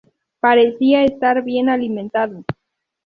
Parecía estar bien alimentado.